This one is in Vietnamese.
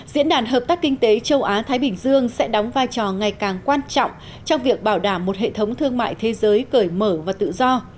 diễn đàn hợp tác kinh tế châu á thái bình dương sẽ đóng vai trò ngày càng quan trọng trong việc bảo đảm một hệ thống thương mại thế giới cởi mở và tự do